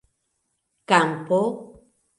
kampo